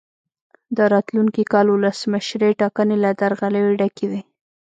د راتلونکي کال ولسمشرۍ ټاکنې له درغلیو ډکې وې.